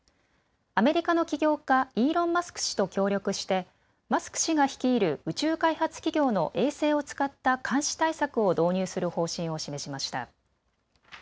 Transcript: アメリカの起業家、イーロン・マスク氏と協力してマスク氏が率いる宇宙開発企業の衛星を使った監視対策を導入する方針を示しました。